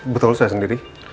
betul saya sendiri